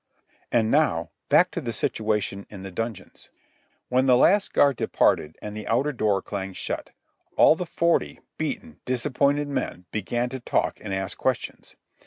And now back to the situation in the dungeons. When the last guard departed and the outer door clanged shut, all the forty beaten, disappointed men began to talk and ask questions.